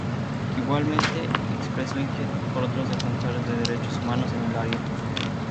Igualmente, expresó inquietud por otros defensores de Derechos Humanos en el área.